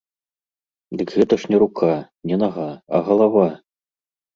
Дык гэта ж не рука, не нага, а галава!